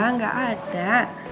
enggak gak ada